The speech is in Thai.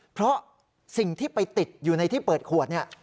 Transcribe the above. เพราะสิ่งที่ไปติดอยู่ในที่เปิดขวดเนี่ย